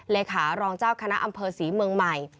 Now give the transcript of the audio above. เลขารองเจ้าคณะอำเภอศรีเมืองใหม่